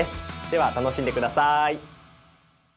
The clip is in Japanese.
では楽しんで下さい。